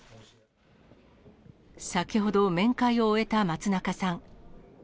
先ほど、面会を終えた松中さん。